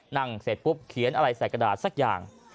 เสร็จปุ๊บเขียนอะไรใส่กระดาษสักอย่าง